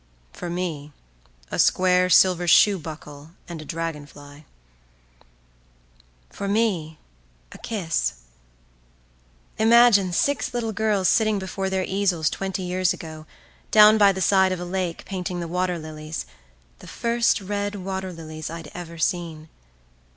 "For me, a square silver shoe buckle and a dragonfly—""For me, a kiss. Imagine six little girls sitting before their easels twenty years ago, down by the side of a lake, painting the water lilies, the first red water lilies I'd ever seen.